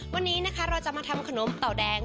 วันนี้นะคะเราจะมาทำขนมเต่าแดง